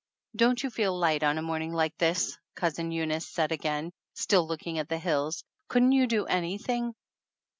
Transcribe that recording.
"Don't you feel light on a morning like this ?" Cousin Eunice said again, still looking at the hills. "Couldn't you do anything?"